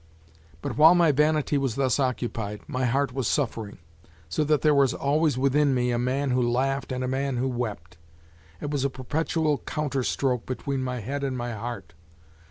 But while my vanity was thus occupied, my heart was suffering, so that there was always within me a man who laughed and a man who wept. It was a perpetual counter stroke between my head and my heart.